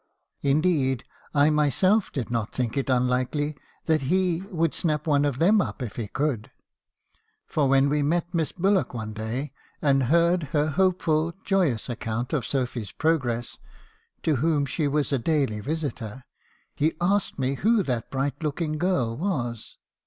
Indeed I myself did not think it unlikely that he would snap one of them up if he could. For when we met Miss Bullock one day, and heard her hopeful, joyous account of Sophy's progress (to whom she was a daily visitor), he asked me who that bright looking girl was?